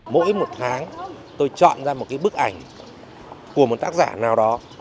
mỗi một tháng tôi chọn ra một cái bức ảnh của một tác giả nào đó